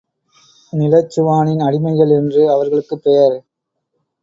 நிலச்சுவானின் அடிமைகள் என்று அவர்களுக்குப் பெயர்.